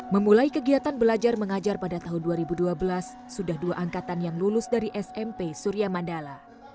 memulai kegiatan belajar mengajar pada tahun dua ribu dua belas sudah dua angkatan yang lulus dari smp surya mandala